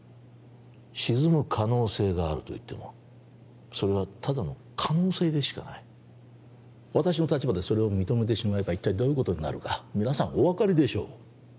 沈む可能性があるといってもそれはただの可能性でしかない私の立場でそれを認めてしまえば一体どういうことになるか皆さんお分かりでしょう？